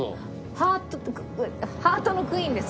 ハートハートのクイーンです。